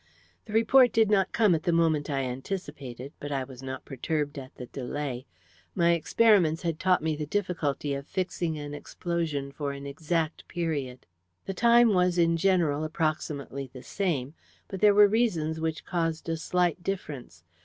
"The report did not come at the moment I anticipated, but I was not perturbed at the delay. My experiments had taught me the difficulty of fixing an explosion for an exact period. The time was in general approximately the same, but there were reasons which caused a slight difference.